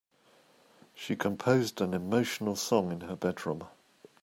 She composed an emotional song in her bedroom.